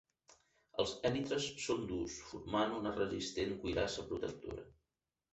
Els èlitres són durs, formant una resistent cuirassa protectora.